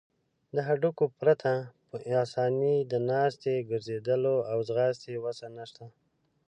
له هډوکو پرته په آسانۍ د ناستې، ګرځیدلو او ځغاستې وسه نشته.